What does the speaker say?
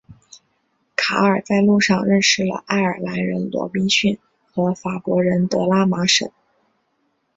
卡尔在路上认识了爱尔兰人罗宾逊和法国人德拉马什。